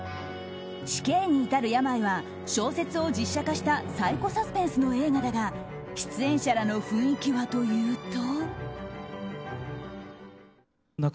「死刑にいたる病」は小説を実写化したサイコサスペンスの映画だが出演者らの雰囲気はというと。